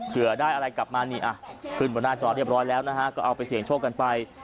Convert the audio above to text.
เผื่อได้อะไรกลับมานี่อ่ะขึ้นบนหน้าจอเรียบร้อยแล้วนะฮะก็เอาไปเสี่ยงโชคกันไป